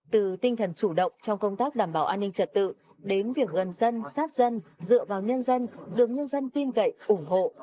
từ tinh thần chủ động trong công tác đảm bảo an ninh trật tự đến việc gần dân sát dân dựa vào nhân dân được nhân dân tin cậy ủng hộ